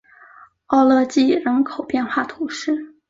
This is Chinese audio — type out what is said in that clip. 奥勒济人口变化图示